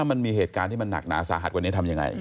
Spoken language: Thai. มันมีเหตุการณ์ที่มันหนักหนาสาหัสวันนี้ทำยังไง